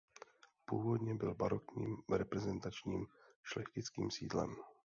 Původně byl barokním reprezentačním šlechtickým sídlem.